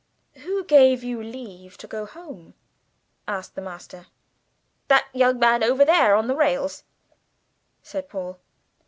"Who gave you leave to go home?" asked the master. "That young man over there on the rails," said Paul.